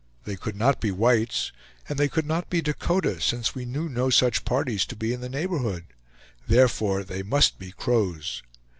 They could not be whites, and they could not be Dakota, since we knew no such parties to be in the neighborhood; therefore they must be Crows.